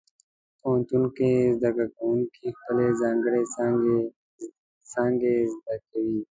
پوهنتون کې زده کوونکي خپلې ځانګړې څانګې زده کوي.